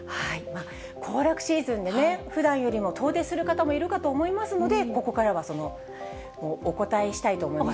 行楽シーズンでね、ふだんよりも遠出する方もいるかと思いますので、ここからは、お答えしたいと思います。